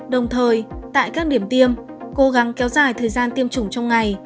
đồng thời tại các điểm tiêm cố gắng kéo dài thời gian tiêm chủng trong ngày